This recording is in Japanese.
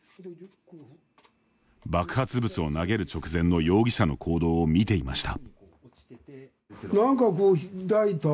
爆発物を投げる直前の容疑者の行動を見ていました。